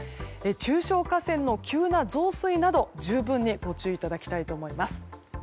中小河川の急な増水など、十分にご注意いただきたいと思います。